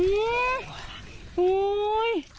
โอ้ย